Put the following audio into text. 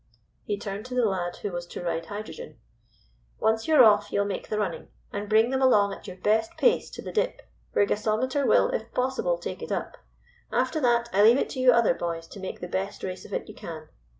He turned to the lad who was to ride Hydrogen. "Once you are off you will make the running, and bring them along at your best pace to the dip, where Gasometer will, if possible, take it up. After that I leave it to you other boys to make the best race of it you can.